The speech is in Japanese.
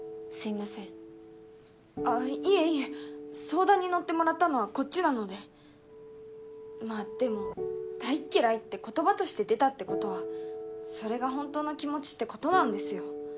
相談に乗ってもらったのはこっちなのでまあでも「大嫌い」って言葉として出たってことはそれが本当の気持ちってことなんですよ